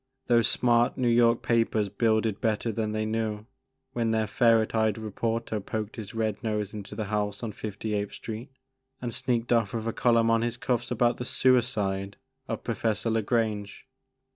Those smart New York papers builded better than they knew when their ferret eyed reporter poked his red nose into the house on 58th Street and sneaked off with a column on his cuffs about the * suicide ' of Professor La Grange.